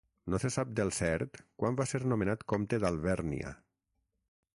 No se sap del cert quan va ser nomenat comte d'Alvèrnia.